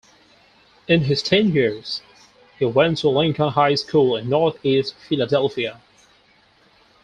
In his teen years, he went to Lincoln High School in Northeast Philadelphia.